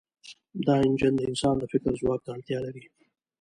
دا انجن د انسان د فکر ځواک ته اړتیا لري.